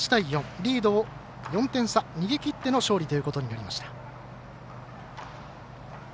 リードを４点差、逃げきっての勝利ということになりました。